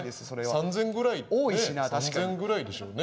３，０００ぐらいでしょうね。